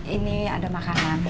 ini ada makanan